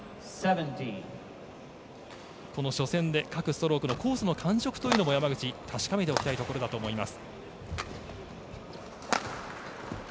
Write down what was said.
この初戦でストロークの感触というのを山口、確かめておきたいところだと思います。